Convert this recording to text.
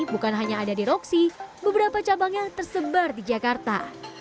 bukan hanya ada di roksi beberapa cabangnya tersebar di jakarta